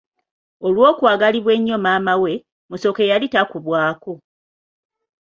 Olw’okwagalibwa ennyo maama we, Musoke yali takubwako.